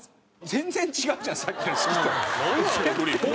全然違うじゃんさっきの式と。